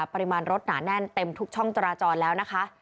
ปริมาณรถหนาแน่นเต็มทุกช่องจราจรแล้วนะคะ